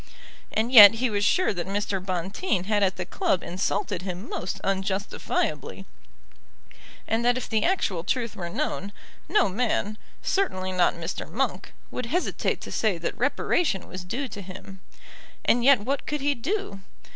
And yet he was sure that Mr. Bonteen had at the club insulted him most unjustifiably, and that if the actual truth were known, no man, certainly not Mr. Monk, would hesitate to say that reparation was due to him. And yet what could he do?